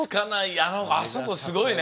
あそこすごいね！